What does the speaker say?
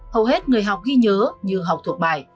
hầu hết người học ghi nhớ như học thuộc bài